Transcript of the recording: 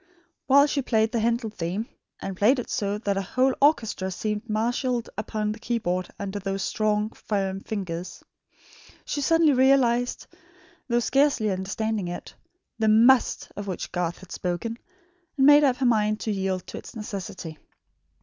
While she played the Handel theme and played it so that a whole orchestra seemed marshalled upon the key board under those strong, firm finger she suddenly realised, though scarcely understanding it, the MUST of which Garth had spoken, and made up her mind to yield to its necessity.